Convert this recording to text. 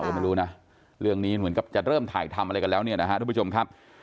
ก็ไม่รู้นะเรื่องนี้เหมือนกับจะเริ่มถ่ายทำอะไรกันแล้วเนี่ยนะฮะทุกผู้ชมครับ